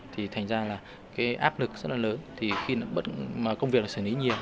thì thành ra là áp lực rất là lớn công việc là xử lý nhiều